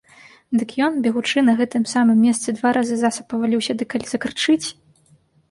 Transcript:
Дык ён, бегучы, на гэтым самым месцы два разы засаб паваліўся ды калі закрычыць!